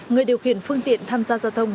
người điều khiển phương tiện tham gia giao thông